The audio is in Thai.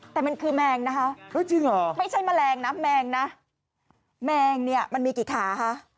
แต่มันคือแมงนะคะไม่ใช่แมลงนะแมงนะแมงเนี่ยมันมีกี่ขาคะ